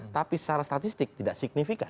tapi secara statistik tidak signifikan